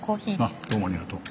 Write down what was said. あっどうもありがとう。